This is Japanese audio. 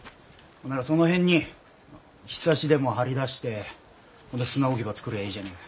ならその辺に庇でも張り出して砂置き場作りゃあいいじゃねえか。